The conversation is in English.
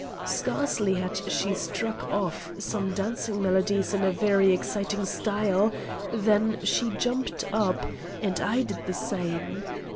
Scarcely had she struck off some dancing melodies in a very exciting style, than she jumped up, and I did the same.